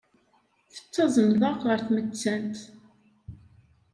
Tettazneḍ-aɣ ɣer tmettant.